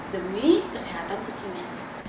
demi kesehatan kucingnya